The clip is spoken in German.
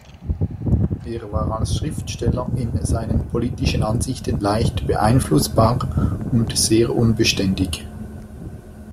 Er war als Schriftsteller in seinen politischen Ansichten leicht beeinflussbar und sehr unbeständig.